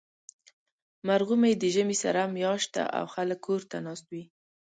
مرغومی د ژمي سړه میاشت ده، او خلک اور ته ناست وي.